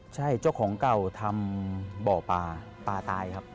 ใช่เจ้าของเก่าทำบ่อปลาปลาตายครับ